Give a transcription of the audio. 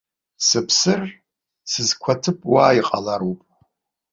Сыԥсыр, сызқәаҭыԥ уа иҟалароуп.